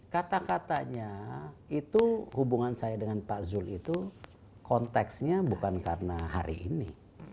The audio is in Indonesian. kata katanya itu hubungan saya dengan pak zul itu konteksnya bukan karena hari ini